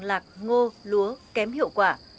lạc ngô lúa kém hiệu quả